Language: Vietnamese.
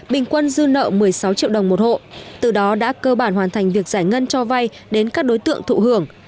bình quân dư nợ một mươi sáu triệu đồng một hộ từ đó đã cơ bản hoàn thành việc giải ngân cho vay đến các đối tượng thụ hưởng